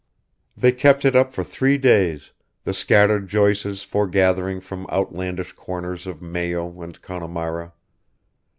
They kept it up for three days, the scattered Joyces foregathering from outlandish corners of Mayo and Connemara.